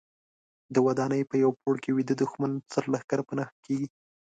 د ودانۍ په یوه پوړ کې ویده دوښمن سرلښکر په نښه کېږي.